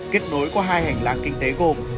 kết nối qua hai hành lang kinh tế gồm